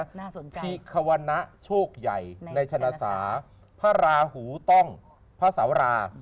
น่าสนใจที่ควรนะโชคใหญ่ในชนะสาพระราหูต้องพระสารา